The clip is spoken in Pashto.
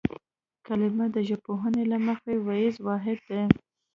کلمه د ژبپوهنې له مخې وییز واحد دی